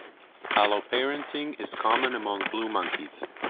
Alloparenting is common among blue monkeys.